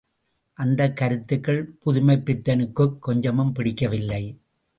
அந்தக் கருத்துக்கள் புதுமைப்பித்தனுக்குக் கொஞ்சமும் பிடிக்கவில்லை.